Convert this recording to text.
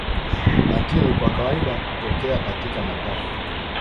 Lakini kwa kawaida hutokea katika mapafu